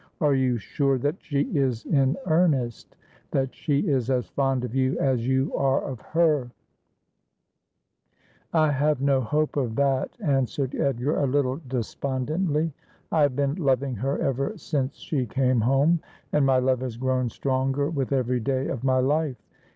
Are you sure that she is in earnest — that she is as fond of you as you are of her ?'' I have no hope of that,' answered Edgar, a little despond ently. ' I have been loving her ever since she came home, and my love has grown stronger with every day of my life.